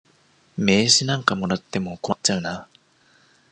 名刺なんかもらっても困っちゃうな。